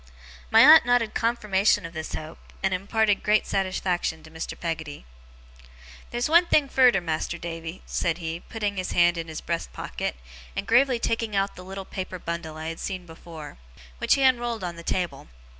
My aunt nodded confirmation of this hope, and imparted great satisfaction to Mr. Peggotty. 'Theer's one thing furder, Mas'r Davy,' said he, putting his hand in his breast pocket, and gravely taking out the little paper bundle I had seen before, which he unrolled on the table.